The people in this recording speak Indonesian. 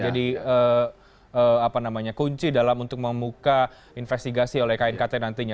jadi apa namanya kunci dalam untuk membuka investigasi oleh knkt nantinya